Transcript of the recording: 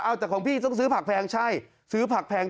เอาแต่ของพี่ต้องซื้อผักแพงใช่ซื้อผักแพง